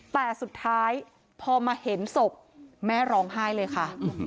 แต่สุดท้ายพอมาเห็นศพแม่ร้องไห้เลยค่ะ